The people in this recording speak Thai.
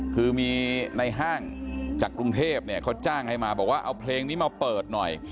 คือมีในห้างจากกรุงเทพเนี่ยเขาจ้างให้มาบอกว่าเอาเพลงนี้มาเปิดหน่อย